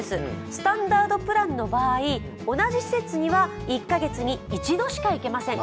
スタンダードプランの場合、同じ施設には１カ月に１度しか行けません。